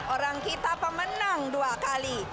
orang kita pemenang dua kali